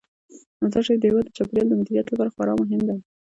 مزارشریف د هیواد د چاپیریال د مدیریت لپاره خورا مهم دی.